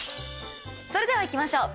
それではいきましょう。